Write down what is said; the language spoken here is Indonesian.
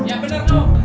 ya bener tuh